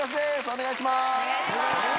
お願いします。